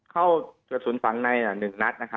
เข้ากระสุนฟังมา๑นัด